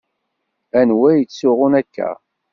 Anwa yettsuɣun akka?